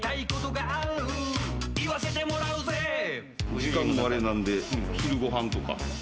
時間もあれなんで昼ごはんとか。